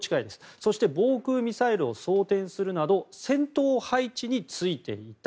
そして防空ミサイルを装填するなど戦闘配置に就いていた。